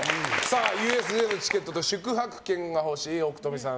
ＵＳＪのチケットと宿泊券が欲しい奥冨さん